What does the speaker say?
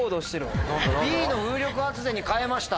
Ｂの風力発電に変えました。